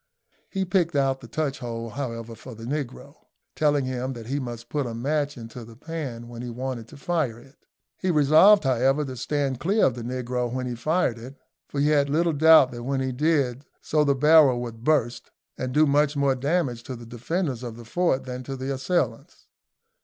He picked out the touch hole, however, for the negro, telling him that he must put a match into the pan when he wanted to fire it. He resolved, however, to stand clear of the negro when he fired it; for he had little doubt that when he did so the barrel would burst, and do much more damage to the defenders of the fort than to the assailants.